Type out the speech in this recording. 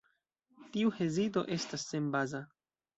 Tiu hezito estas senbaza.